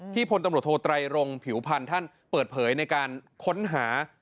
พลตำรวจโทไตรรงผิวพันธ์ท่านเปิดเผยในการค้นหา